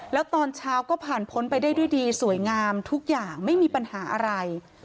แล้วตอนเช้าก็ผ่านพ้นไปได้ด้วยดีสวยงามทุกอย่างไม่มีปัญหาอะไร